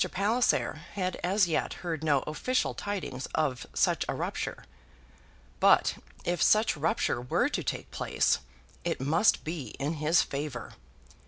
Palliser had as yet heard no official tidings of such a rupture; but if such rupture were to take place, it must be in his favour.